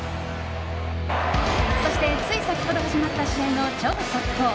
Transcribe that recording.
そして、つい先ほど始まった試合の超速報。